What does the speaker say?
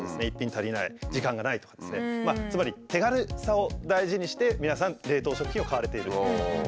「一品足りない」「時間がない」とかですねつまり手軽さを大事にして皆さん冷凍食品を買われている。